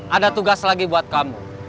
ada tugas lagi buat kamu